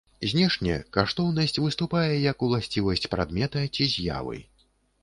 Знешне каштоўнасць выступае як уласцівасць прадмета ці з'явы.